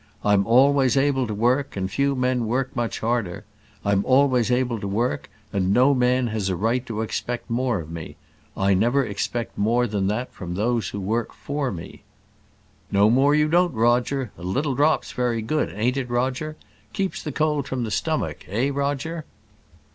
I'm always able to work, and few men work much harder. I'm always able to work, and no man has a right to expect more of me. I never expect more than that from those who work for me." "No more you don't, Roger: a little drop's very good, ain't it, Roger? Keeps the cold from the stomach, eh, Roger?"